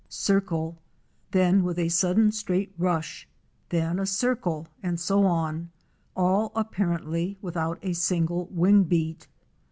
circle, then with a sudden straight rush, then a circle and so on, all apparently without a single wing beat.